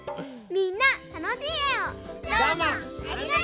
みんなたのしいえを。